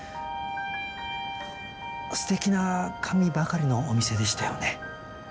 すてきな紙ばかりのお店でしたよね。